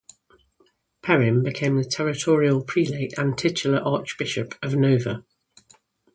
Perrin became the Territorial Prelate and titular archbishop of Nova.